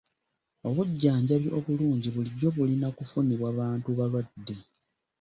Obujjanjabi obulungi bulijjo bulina kufunibwa bantu balwadde.